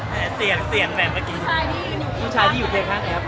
อ๋อแล้วเสียงเนียมเมื่อกี้ผู้ชายที่อยู่เพ้อข้างครับ